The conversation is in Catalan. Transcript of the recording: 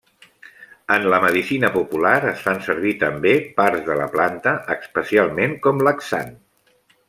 En la medicina popular es fan servir també parts de la planta, especialment com laxant.